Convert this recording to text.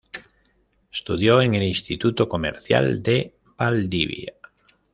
Estudió en el Instituto Comercial de Valdivia.